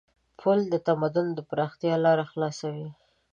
پُل د تمدن د پراختیا لار خلاصوي.